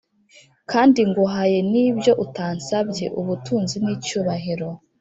Kandi nguhaye n’ibyo utansabye ubutunzi n’icyubahiro